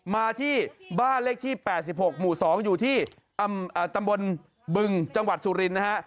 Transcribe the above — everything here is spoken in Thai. มาที่บ้านเลขที่๘๖หมู่๒อยู่ที่ตำบลบึงจังหวัดสุรินทร์นะฮะ